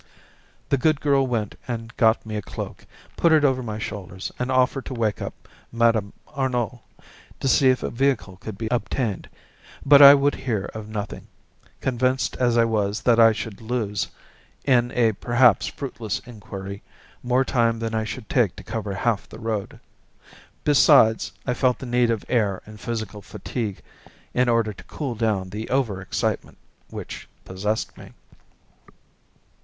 The good girl went and got me a cloak, put it over my shoulders, and offered to wake up Mme. Arnould to see if a vehicle could be obtained; but I would hear of nothing, convinced as I was that I should lose, in a perhaps fruitless inquiry, more time than I should take to cover half the road. Besides, I felt the need of air and physical fatigue in order to cool down the over excitement which possessed me.